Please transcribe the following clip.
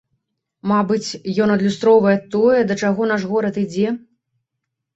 Мабыць, ён адлюстроўвае тое, да чаго наш горад ідзе.